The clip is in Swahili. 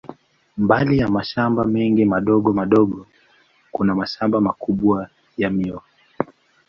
Mbali ya mashamba mengi madogo madogo, kuna mashamba makubwa ya miwa.